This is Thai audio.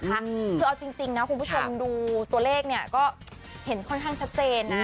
คือเอาจริงนะคุณผู้ชมดูตัวเลขเนี่ยก็เห็นค่อนข้างชัดเจนนะ